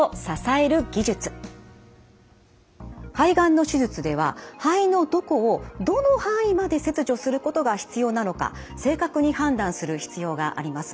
肺がんの手術では肺のどこをどの範囲まで切除することが必要なのか正確に判断する必要があります。